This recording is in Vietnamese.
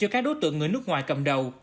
các đối tượng người nước ngoài cầm đầu